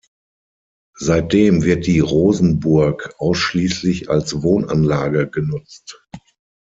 Seitdem wird die Rosenburg ausschließlich als Wohnanlage genutzt.